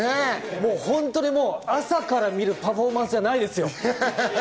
本当に朝から見るパフォーマンスじゃないですよ。